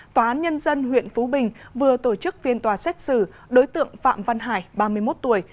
tòa án nhân dân huyện phú bình vừa tổ chức phiên tòa xét xử đối tượng phạm văn hải ba mươi một tuổi